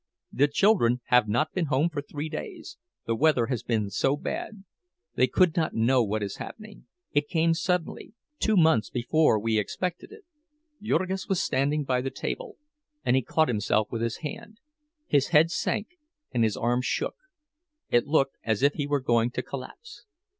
"The children have not been home for three days, the weather has been so bad. They could not know what is happening—it came suddenly, two months before we expected it." Jurgis was standing by the table, and he caught himself with his hand; his head sank and his arms shook—it looked as if he were going to collapse.